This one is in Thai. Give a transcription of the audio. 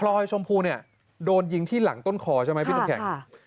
ชมพูเนี่ยโดนยิงที่หลังต้นคอใช่ไหมพี่น้ำแข็ง